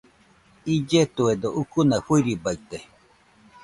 Illetuedo ucuna fɨirɨbaite.